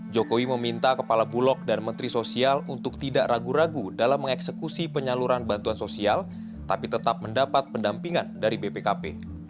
jokowi meminta kepala bulog dan menteri sosial untuk tidak ragu ragu dalam mengeksekusi penyaluran bantuan sosial tapi tetap mendapat pendampingan dari bpkp